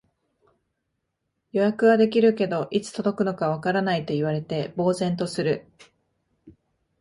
予約はできるけど、いつ届くのかわからないと言われて呆然とする